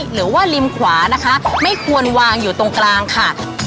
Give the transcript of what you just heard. หรือว่าริมขวานะคะไม่ควรวางอยู่ตรงกลางค่ะ